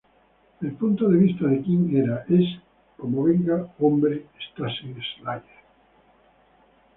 El punto de vista de King era; "Es como, venga, hombre, estás en Slayer.